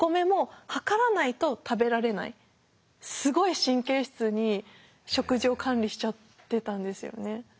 すごい神経質に食事を管理しちゃってたんですよね。